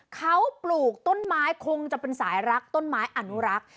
เขาปลูกต้นไม้คงจะเป็นสายรักต้นไม้อนุรักษ์